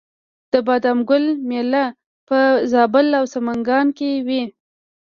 د بادام ګل میله په زابل او سمنګان کې وي.